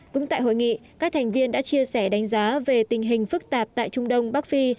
cũng tại hội nghị các thành viên đã chia sẻ đánh giá về tình hình phức tạp tại trung đông bắc phi